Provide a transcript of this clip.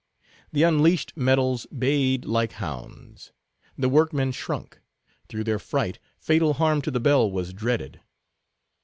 The unleashed metals bayed like hounds. The workmen shrunk. Through their fright, fatal harm to the bell was dreaded.